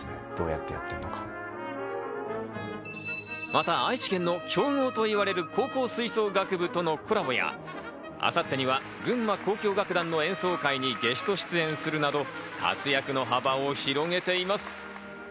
また愛知県の強豪といわれる高校吹奏楽部とのコラボや、明後日には群馬交響楽団の演奏会にゲスト出演するなど、活躍の幅を広げています。